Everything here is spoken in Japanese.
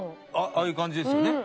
ああいう感じですよね？